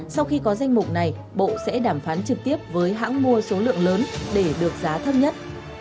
sau khi có danh mục này bộ sẽ đàm phán trực tiếp với hãng mua số lượng lớn để được giá thấp nhất